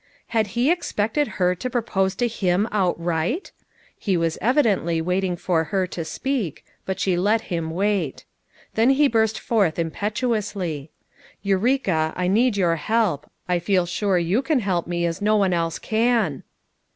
Had he expected her to propose to him, outright! He was evidently waiting for her to speak, but she let him wait. Then he burst forth impetuously. "Eureka, I need your help; I feel sure you can help me as no one else can."